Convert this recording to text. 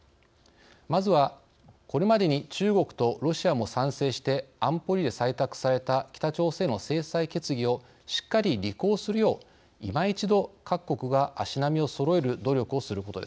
まずはこれまでに中国とロシアも賛成して安保理で採択された北朝鮮への制裁決議をしっかり履行するよういま一度各国が足並みをそろえる努力をすることです。